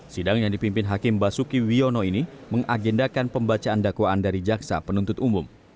sidang yang dipimpin hakim basuki wiono ini mengagendakan pembacaan dakwaan dari jaksa penuntut umum